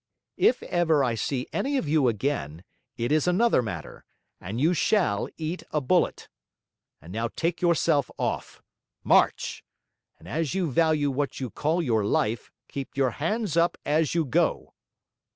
if ever I see any of you again, it is another matter, and you shall eat a bullet. And now take yourself off. March! and as you value what you call your life, keep your hands up as you go!'